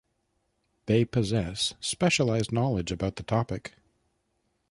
They possess specialized knowledge about the topic.